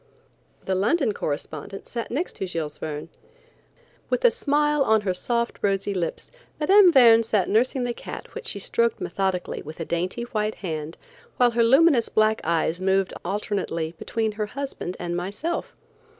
The London correspondent sat next to Jules Verne. With a smile on her soft rosy lips, Mme. Verne sat nursing the cat which she stroked methodically with a dainty, white hand, while her luminous black eyes moved alternately between her husband and myself.